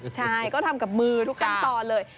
ใช่ก็ทำกับมือทุกขั้นตอนเลย